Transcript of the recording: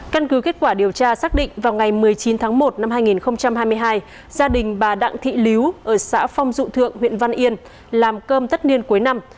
căn cứ kết quả điều tra xác định vào ngày một mươi chín tháng một năm hai nghìn hai mươi hai gia đình bà đặng thị líu ở xã phong dụ thượng huyện văn yên làm cơm tất niên cuối năm